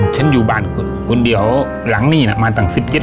ฉันอยู่บ้านคนเดียวหลังนี้มาตั้ง๑๗ปีแล้ว